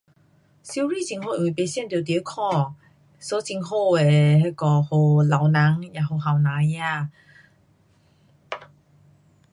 游泳很好因为不伤到你的脚。so 很好的那个给老人，也给年轻儿。